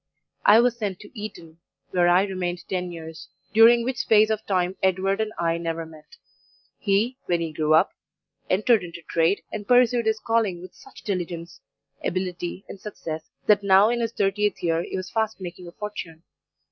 I was sent to Eton, where I remained ten years, during which space of time Edward and I never met. He, when he grew up, entered into trade, and pursued his calling with such diligence, ability, and success, that now, in his thirtieth year, he was fast making a fortune.